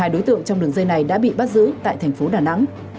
một mươi hai đối tượng trong đường dây này đã bị bắt giữ tại thành phố đà nẵng